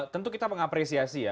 tentu kita mengapresiasi ya